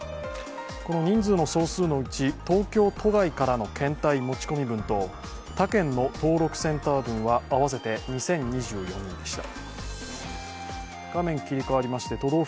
この人数の総数のうち東京都外からの検体持ち込み分と他県の登録センター分は合わせて２０２４人でした。